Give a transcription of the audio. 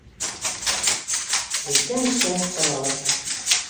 Үткән эшкә — салауат!